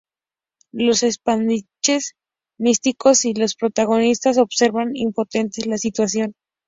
Los espadachines místicos y los protagonistas observan impotentes la situación.